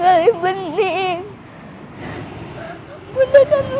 orang yang tadi siang dimakamin